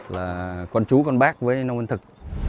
là con chú con bác với nông văn thực